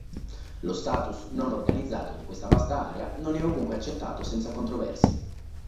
Lo status "non organizzato" di questa vasta area non è ovunque accettato senza controversie.